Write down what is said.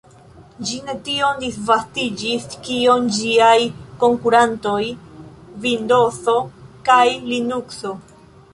Ĝi ne tiom disvastiĝis kiom ĝiaj konkurantoj Vindozo kaj Linukso.